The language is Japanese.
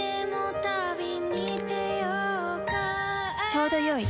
ちょうどよい。